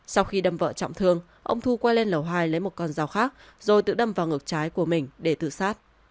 sau khi đâm vợ trọng thương ông thu quay lên lầu hai lấy một con dao khác rồi tự đâm vào ngược trái của mình để tự sát